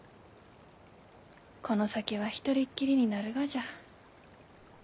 この先は一人っきりになるがじゃ。